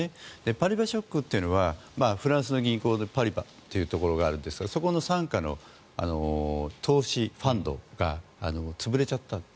パリバ・ショックというのはフランスの銀行でパリバというところがあるんですがそこの傘下の投資ファンドが潰れちゃった。